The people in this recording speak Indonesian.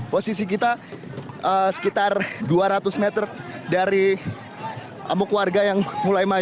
posisi kita sekitar dua ratus meter dari amuk warga yang mulai maju